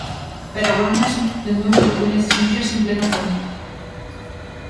Pero agora mesmo, Lendoiro recoñece sentirse en plena forma.